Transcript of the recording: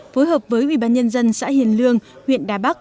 phối hợp với ubnd xã hiền lương huyện đà bắc